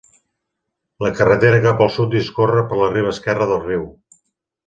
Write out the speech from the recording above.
La carretera cap al sud discorre per la riba esquerra del riu.